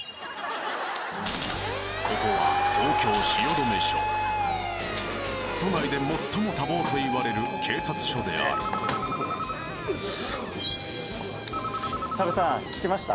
ここは東京・汐留署都内で最も多忙といわれる警察署であるさぶさん聞きました？